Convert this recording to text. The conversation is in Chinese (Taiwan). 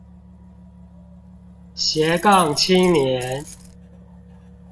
斜槓青年